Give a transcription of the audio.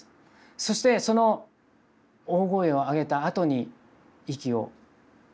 そしてその大声を上げたあとに息を引き取ったんですけど。